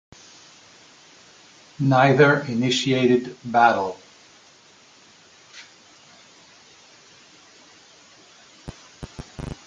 Neither initiated battle.